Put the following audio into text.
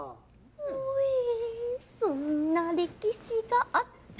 ほえそんな歴史があったとは。